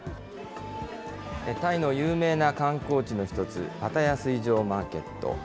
タイの有名な観光地の一つ、パタヤ水上マーケット。